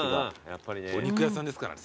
お肉屋さんですからね。